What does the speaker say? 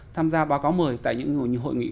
tham gia báo cáo mời tại những hội nghị